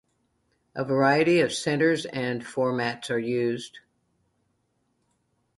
A variety of centres and formats are used.